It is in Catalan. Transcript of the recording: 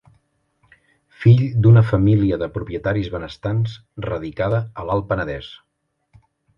Fill d’una família de propietaris benestants radicada a l'Alt Penedès.